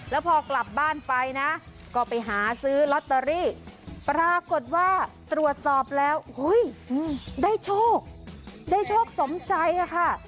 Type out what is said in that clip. แล้วพอกลับบ้านไปนะก็ไปหาซื้อลอตเตอรี่ปรากฏว่าตรวจสอบแล้วได้โชคได้โชคสมใจค่ะ